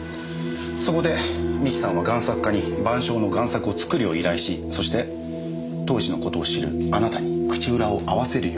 そこで三木さんは贋作家に『晩鐘』の贋作を作るよう依頼しそして当時のことを知るあなたに口裏を合わせるよう持ちかけた。